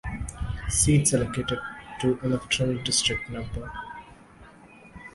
Seats allocated to electoral district no.